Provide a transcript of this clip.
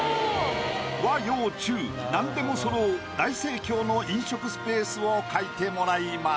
和・洋・中何でもそろう大盛況の飲食スペースを描いてもらいます。